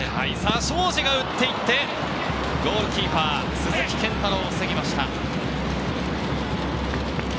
庄司が打っていって、ゴールキーパーの鈴木健太郎が防ぎました。